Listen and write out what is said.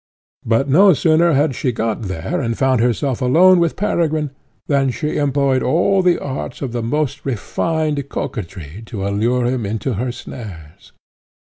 But no sooner had she got there and found herself alone with Peregrine, than she employed all the arts of the most refined coquetry to allure him into her snares.